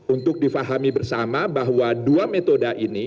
untuk difahami bersama bahwa dua metode ini